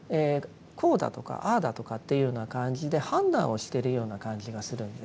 こうだとかああだとかっていうような感じで判断をしているような感じがするんです。